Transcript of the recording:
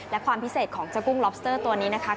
และความพิเศษของเจ้ากุ้งล็อบสเตอร์ตัวนี้นะคะ